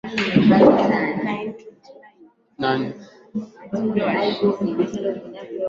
nguzi unabaini kuwa washabulizi hao walikuwa wanalenga idara ya upelelezi jijini humo